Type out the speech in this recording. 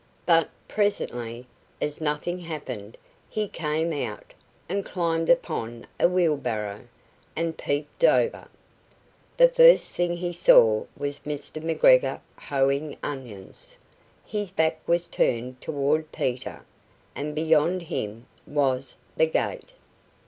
But, presently, as nothing happened, he came out, and climbed upon a wheelbarrow, and peeped over. The first thing he saw was Mr. McGregor hoeing onions. His back was turned toward Peter, and beyond him was the gate!